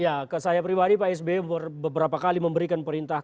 iya ke saya pribadi pak sbe beberapa kali memberikan perintah